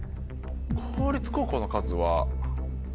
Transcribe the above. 公立高校の数は。